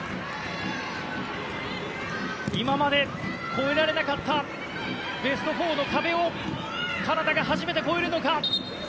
今まで越えられなかったベスト４の壁をカナダが初めて越えるのか。